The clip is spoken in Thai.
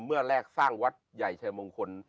เมื่อแรกสร้างวัดใหญ่ชายมงคล